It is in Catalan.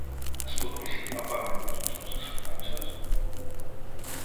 Es pot domiciliar el pagament de les vostres assegurances?